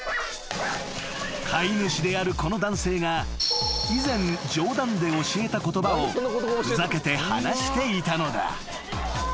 ［飼い主であるこの男性が以前冗談で教えた言葉をふざけて話していたのだ］